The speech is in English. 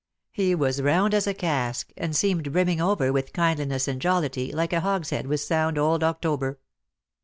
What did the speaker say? He was round as a cask, and seemed brimming over with kindliness and jollity, like a hogshead with sound old October.